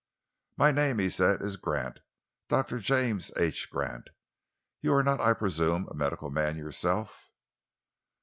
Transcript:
"My name," he said, "is Gant Doctor James H. Gant. You are not, I presume, a medical man yourself?"